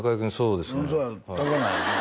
うんそうや高ないよね